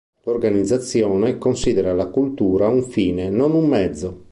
L'organizzazione considera la cultura un fine non un mezzo.